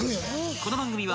［この番組は］